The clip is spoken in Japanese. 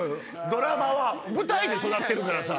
ドラマは舞台で育ってるからさ。